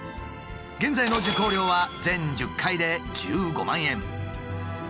現在の受講料は全１０回で１５万円。